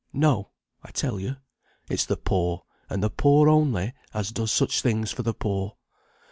No, I tell you, it's the poor, and the poor only, as does such things for the poor.